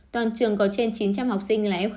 toàn trường có trên chín trăm linh học sinh là f một